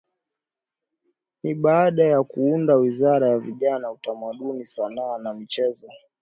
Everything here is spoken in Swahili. Ni baada ya kuunda Wizara ya Vijana Utamaduni Sanaa na Michezo